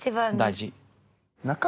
大事。